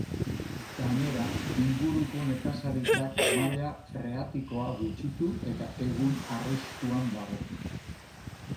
Gainera, inguruko nekazaritzak maila freatikoa gutxitu eta egun arriskuan dago.